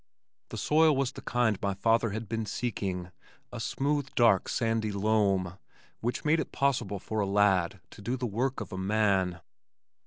The soil was the kind my father had been seeking, a smooth dark sandy loam, which made it possible for a lad to do the work of a man.